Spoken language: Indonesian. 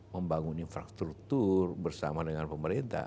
membangun infrastruktur bersama dengan pemerintah